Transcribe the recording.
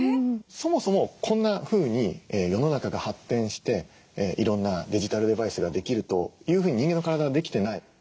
そもそもこんなふうに世の中が発展していろんなデジタルデバイスができるというふうに人間の体はできてない。